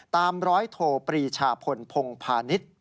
ตามร้อยโทปรีชาพลพงพาณิชย์